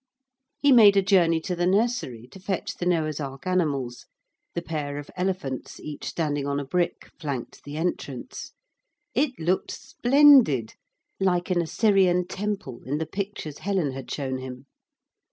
He made a journey to the nursery to fetch the Noah's Ark animals the pair of elephants, each standing on a brick, flanked the entrance. It looked splendid, like an Assyrian temple in the pictures Helen had shown him.